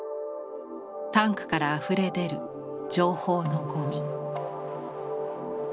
タンクからあふれ出る情報のゴミ。